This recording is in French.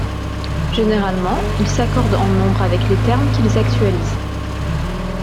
Généralement, ils s’accordent en nombre avec les termes qu’ils actualisent.